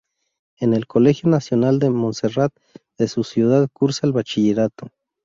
En el Colegio Nacional de Monserrat de su ciudad cursa el bachillerato.